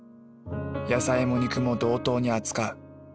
野菜も肉も同等に扱う。